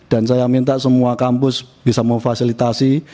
dan saya minta semua kampus bisa memfasilitasi